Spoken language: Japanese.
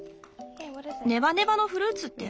ネバネバのフルーツって？